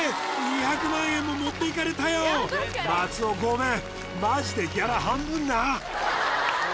２００万円も持っていかれたよ松尾ごめんマジでギャラ半分な！